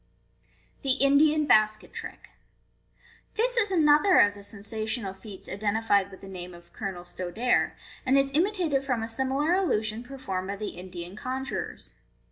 Fig. soo. The Indian Basket Trick. — This is another of the sensational feats identified with the name of Colonel Stodare and is imitated from a similar illusion performed by the Indian conjurors.